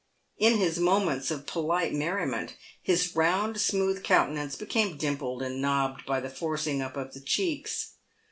In his moments of polite merriment, his round, smooth countenance became dimpled and nobbed by the forcing up of the cheeks.